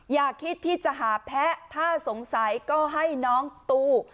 อย่าคิดที่จะหาแพ้ถ้าสงสัยก็ให้น้องตู